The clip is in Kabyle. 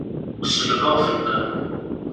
Selbeɣ fell-am.